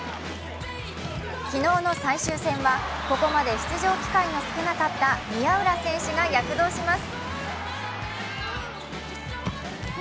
昨日の最終戦はここまで出場機会が少なかった宮浦選手が躍動します。